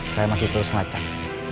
saya masih terus ngacak